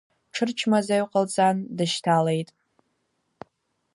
Ҽырчмазаҩ ҟалҵан дышьҭалеит.